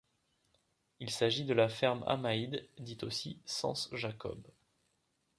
Il s'agit de la ferme Hamaide, dite aussi cense Jacob.